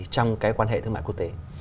trong quan hệ thương mại quốc tế